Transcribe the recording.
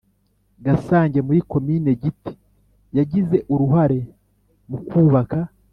Gasange muri Komini Giti Yagize uruhare mukubaka